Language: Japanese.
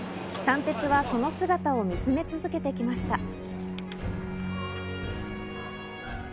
三鉄はその姿を見つめ続けてきました。